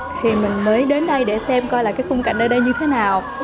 thì mình mới đến đây để xem coi là cái khung cảnh nơi đây như thế nào